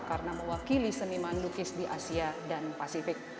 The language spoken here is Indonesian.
karena mewakili seniman lukis di asia dan pasifik